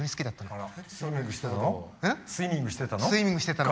スイミングしてたの。